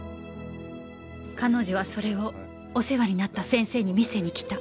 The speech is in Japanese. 彼女はそれをお世話になった先生に見せに来た。